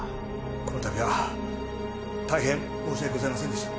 この度は大変申し訳ございませんでした。